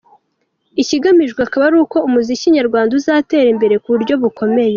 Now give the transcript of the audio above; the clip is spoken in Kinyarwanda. Ikigamijwe akaba ari uko umuziki nyarwanda uzatera imbere kuburyo bukomeye.